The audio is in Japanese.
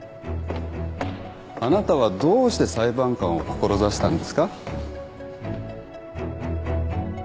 あなたはどうして裁判官を志したんですか。